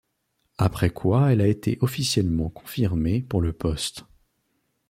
Après quoi elle a été officiellement confirmée pour le poste.